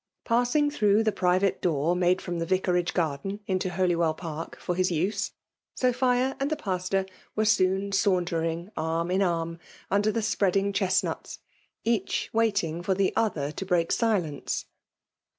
Passing through the private door made from the vicari^ garden into Holywell Park for his U8e> Sophia and the Pastor were soon saunter ing arm in arm under the spreading elm tiees, — each waiting for the other to break silence.